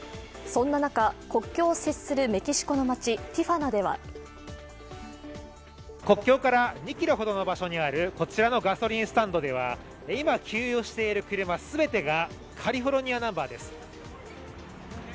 そんな中、国境を接するメキシコの街ティファナでは国境から２ｋｍほどの場所にある、こちらのガソリンスタンドでは今、給油をしている車全てがカリフォルニアナンバーです。